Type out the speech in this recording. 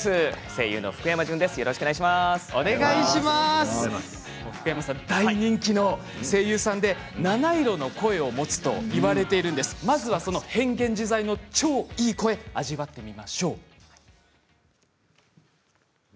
声優の福山潤です、よろしく大人気の声優さんで７色の声を持つといわれているんですがまずはその変幻自在な超いい声を味わってみましょう。